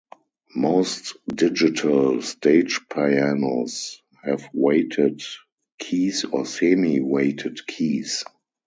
Most digital stage pianos have weighted keys or semi-weighted keys.